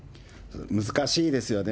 難しいですよね。